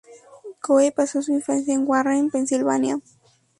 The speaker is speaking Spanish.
Coe pasó su infancia en Warren, Pensilvania.